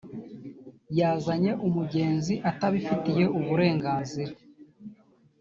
yazanye umugenzi atabifitiye uburenganzira.